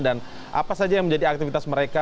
dan apa saja yang menjadi aktivitas mereka